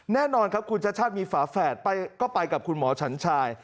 แน่นอนครับคุณชาติชาติมีฝาแฝดก็ไปกับคุณหมอฉันชาย